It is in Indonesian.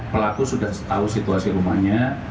pelaku sudah tahu situasi rumahnya